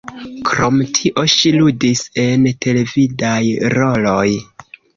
Krom tio ŝi ludis en televidaj roloj.